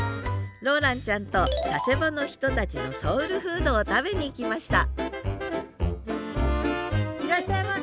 ローランちゃんと佐世保の人たちのソウルフードを食べにきましたいらっしゃいませ。